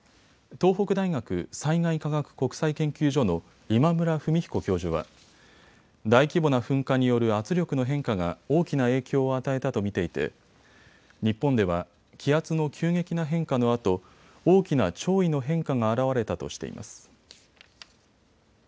東北大学災害科学国際研究所の今村文彦教授は大規模な噴火による圧力の変化が大きな影響を与えたと見ていて日本では気圧の急激な変化のあと大きな潮位の変化が現れたとしています。